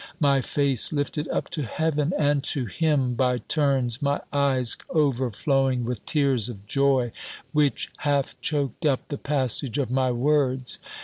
My face lifted up to Heaven, and to him, by turns; my eyes overflowing with tears of joy, which half choked up the passage of my words.